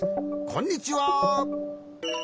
こんにちは。